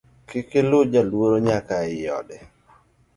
Kik iluw jaluoro nyaka ei ode